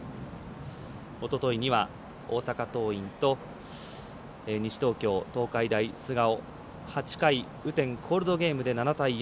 おとといには大阪桐蔭と西東京、東海大菅生８回、雨天コールドゲームで７対４。